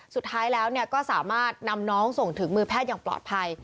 สุดท้ายแล้วก็สามารถนำน้องส่งถึงมือแพทย์อย่างปลอดภัย